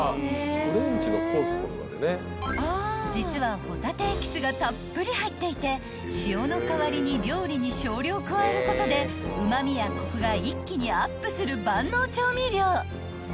［実はホタテエキスがたっぷり入っていて塩の代わりに料理に少量加えることでうま味やコクが一気にアップする万能調味料］